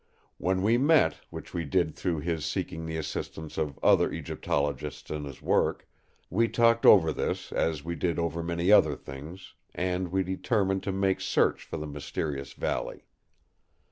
When we met, which we did through his seeking the assistance of other Egyptologists in his work, we talked over this as we did over many other things; and we determined to make search for the mysterious valley.